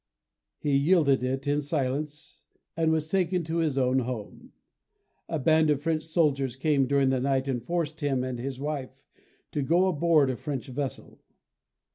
He yielded it in silence and was taken to his own home. A band of French soldiers came during the night and forced him and his wife to go aboard a French vessel.